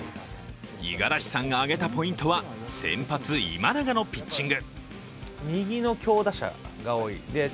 五十嵐さんが挙げたポイントは先発・今永のピッチング。